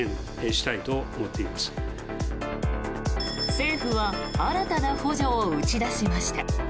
政府は新たな補助を打ち出しました。